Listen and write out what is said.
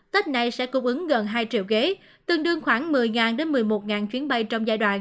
tết này sẽ cung ứng gần hai triệu ghế tương đương khoảng một mươi đến một mươi một chuyến bay trong giai đoạn